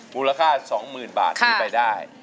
มูลค่า๒๐๐๐บาทนี้ไปได้